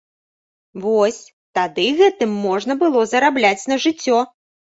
Вось, тады гэтым можна было зарабляць на жыццё.